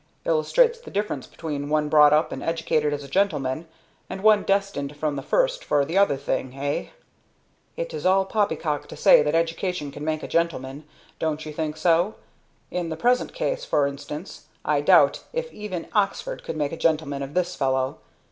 Illustrates the difference between one brought up and educated as a gentleman, and one destined from the first for the other thing, eh? It is all poppycock to say that education can make a gentleman; don't you think so? In the present case, for instance, I doubt if even Oxford could make a gentleman of this fellow.